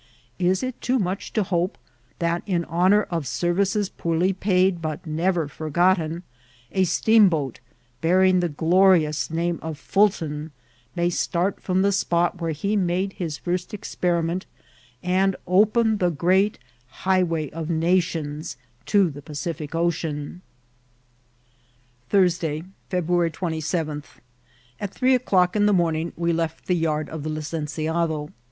Is it too much to hope that, in honour of services poorly paid but never to be fmrgotten, a Steamboat, bearing the glorious name of Fulton, may start bom the spot where he made his first experiment, and open the great ^' highway of nations" to the Pa« cific Ocean? Thursday, February 27. At three o^clock in the morning we left the yard of the licenciado.